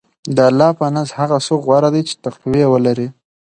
د الله په نزد هغه څوک غوره دی چې تقوی ولري.